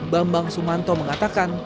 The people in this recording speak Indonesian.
bambang sumanto mengatakan